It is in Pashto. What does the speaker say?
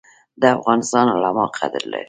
د افغانستان علما قدر لري